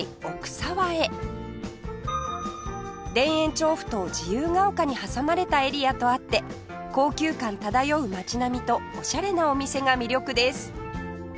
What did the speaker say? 田園調布と自由が丘に挟まれたエリアとあって高級感漂う街並みとオシャレなお店が魅力です